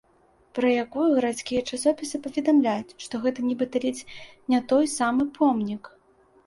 Пра якую гарадскія часопісы паведамляюць, што гэта нібыта ледзь не той самы помнік.